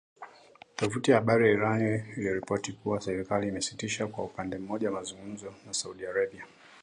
Tovuti ya habari ya Iran iliripoti kuwa serikali imesitisha kwa upande mmoja mazungumzo na Saudi Arabia